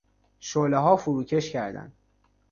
شعلهها فروکش کردند.